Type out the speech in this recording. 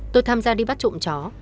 tôi tham gia đi bắt trụm chó